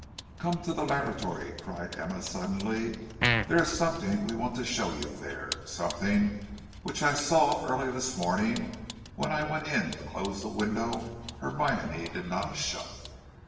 "Come to the laboratory," cried Emma, suddenly. "There is something we want to show you there; something which I saw early this morning when I went in to close the window Hermione did not shut."